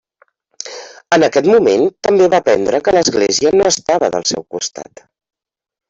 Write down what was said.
En aquest moment també va aprendre que l’església no estava del seu costat.